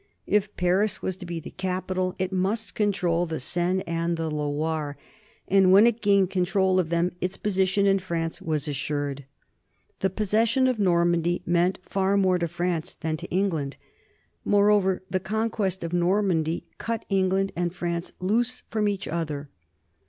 If Paris was to be the capital, it must control the Seine and the Loire, and when it gained control of them, its position in France was as sured. The possession of Normandy meant far more to France than to England. Moreover the conquest of Normandy cut England and France loose from each other.